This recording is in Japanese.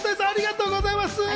ありがとうございます。